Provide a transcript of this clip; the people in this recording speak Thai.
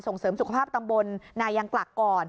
เสริมสุขภาพตำบลนายังกลักก่อน